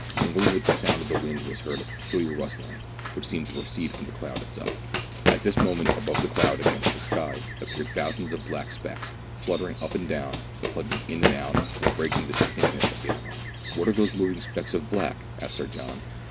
Mingling with the sound of the wind was heard a peculiar rustling, which seemed to proceed from the cloud itself. At this moment, above the cloud against the sky, appeared thou sands of black specks, fluttering up and down, plunging in and out, and breaking the distinctness of the outline. "What are those moving specks of black?" asked Sir John.